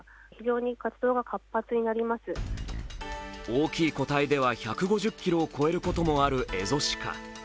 大きい個体では１５０ｋｇを超えることもあるエゾシカ。